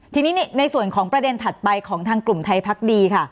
ทีนี้ในส่วนของประเด็นถัดไปของทางกลุ่มไทยพักดีค่ะ